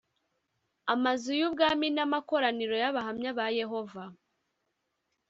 Amazu y Ubwami n amakoraniro y Abahamya ba Yehova